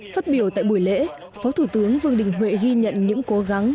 phát biểu tại buổi lễ phó thủ tướng vương đình huệ ghi nhận những cố gắng